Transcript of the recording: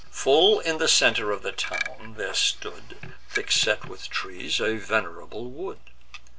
Full in the centre of the town there stood, Thick set with trees, a venerable wood.